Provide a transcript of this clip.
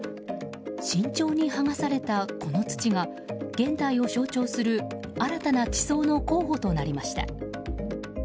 慎重に剥がされた、この土が現代を象徴する新たな地層の候補となりました。